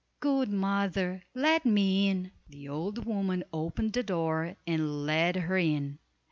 Good mother, let me in!" The old woman opened the door and led her in.